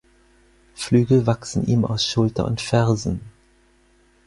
Flügel wachsen ihm aus Schulter und Fersen.